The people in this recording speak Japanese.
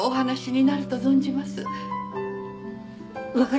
分かりました。